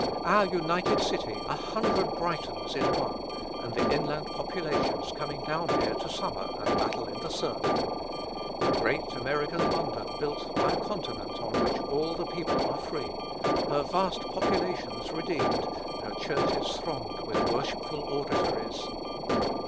Our united city a hundred Brightons in one, and the inland populations coming down here to summer and battle in the surf. The great American London built by a continent on which all the people are free; her vast populations redeemed; her churches thronged with worshipful auditories!